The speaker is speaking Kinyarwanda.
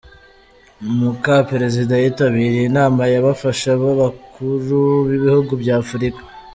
Muka perezida yitabiriye inama y’abafasha b’abakuru b’ibihugu by’Afurika